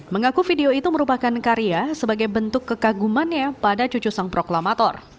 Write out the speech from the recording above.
mengaku video itu merupakan karya sebagai bentuk kekagumannya pada cucu sang proklamator